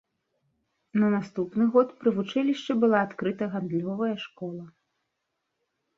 На наступны год пры вучылішчы была адкрыта гандлёвая школа.